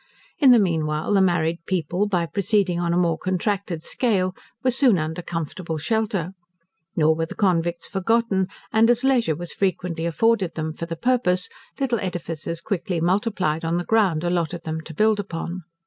In the meanwhile the married people, by proceeding on a more contracted scale, were soon under comfortable shelter. Nor were the convicts forgotten; and as leisure was frequently afforded them for the purpose, little edifices quickly multiplied on the ground allotted them to build upon.